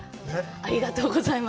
ありがとうございます。